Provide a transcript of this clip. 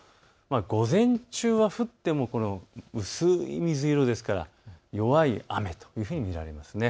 午前中は降っても薄い水色ですから弱い雨というふうに見られます。